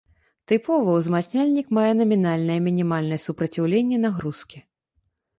Тыпова, узмацняльнік мае намінальнае мінімальнае супраціўленне нагрузкі.